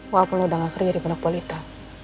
walaupun lo udah gak kerja di benakpolita